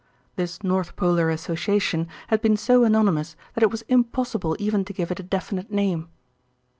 This North Polar Association had been so anonymous that it was impossible even to give it a definite name.